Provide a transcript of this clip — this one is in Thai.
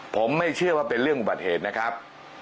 ผมไม่เชื่อว่าเป็นเรื่องอุบัติเหตุนะครับ